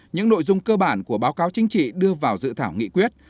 những nội dung cơ bản của báo cáo chính trị đưa vào dự thảo nghị quyết